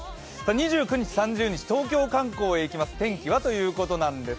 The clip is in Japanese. ２９日、３０日、東京観光へ行きますが天気は？ということです。